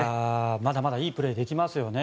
まだまだいいプレーできますよね。